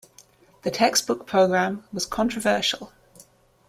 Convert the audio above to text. The textbook program was controversial.